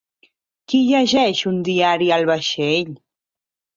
Qui llegeix un diari al vaixell?